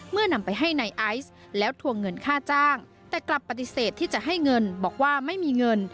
นำไปให้นายไอซ์แล้วทวงเงินค่าจ้างแต่กลับปฏิเสธที่จะให้เงินบอกว่าไม่มีเงิน